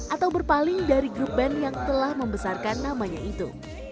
atau berpaling dari grup band yang telah membesarkan namanya itu